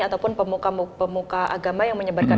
atau pemuka agama yang menyebarkan